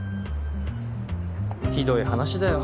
ひどい話だよ。